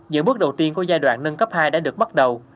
giữa bước đầu tiên của giai đoạn nâng cấp hai đã được bắt đầu